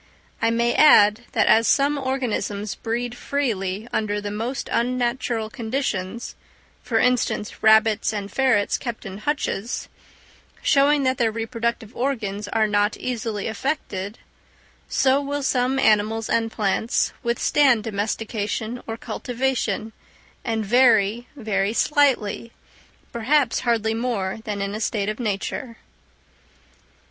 I may add that as some organisms breed freely under the most unnatural conditions—for instance, rabbits and ferrets kept in hutches—showing that their reproductive organs are not easily affected; so will some animals and plants withstand domestication or cultivation, and vary very slightly—perhaps hardly more than in a state of nature.